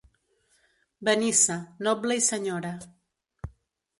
Benissa, noble i senyora.